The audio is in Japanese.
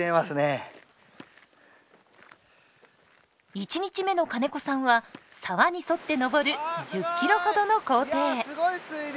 １日目の金子さんは沢に沿って登る１０ｋｍほどの行程。